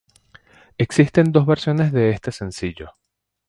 Existen dos versiones de este sencillo.